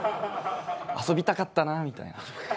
遊びたかったなみたいな。